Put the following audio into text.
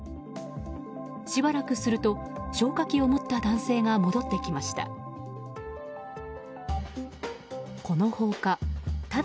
しばらくすると消火器を持った男性が戻ってきました。